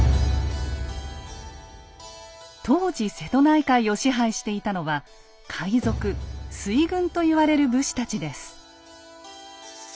当時瀬戸内海を支配していたのは海賊水軍といわれる武士たちです。